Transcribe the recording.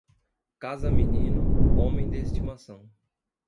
Casa menino, homem de estimação.